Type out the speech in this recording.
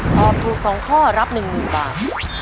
ตอบถูก๒ข้อรับ๑หมื่นบาท